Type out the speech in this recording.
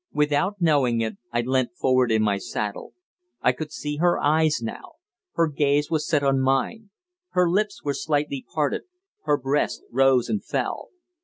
Without knowing it I leant forward in my saddle. I could see her eyes, now. Her gaze was set on mine. Her lips were slightly parted. Her breast rose and fell.